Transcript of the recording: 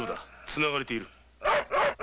つながれておる。